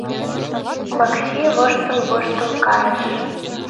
Макси воштыл-воштыл кайыш.